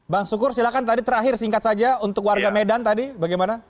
bang sukur silahkan tadi terakhir singkat saja untuk warga medan tadi bagaimana